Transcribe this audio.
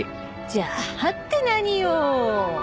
「じゃあ」って何よ。